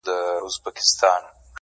کمی نه وو د طلا د جواهرو!!